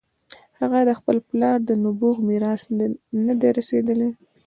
هغه د خپل پلار د نبوغ میراث نه دی رسېدلی.